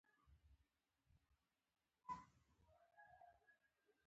د زردالو دانه د سرطان لپاره وکاروئ